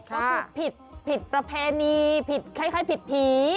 เขาพูดผิดผิดประแพนีผิดคล้ายผิดผี